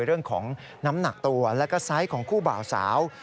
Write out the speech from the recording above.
เรื่องของน้ำหนักตัวแล้วก็ไซส์ของคู่บ่าวสาว